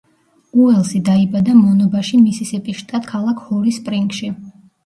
უელსი დაიბადა მონობაში მისისიპის შტატ ქალაქ ჰორი სპრინგში.